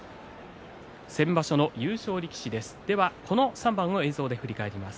先場所の優勝力士です。